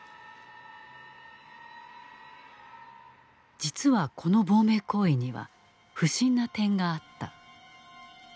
実はこの亡命行為には不審な点があった。